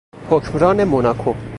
حکمران موناکو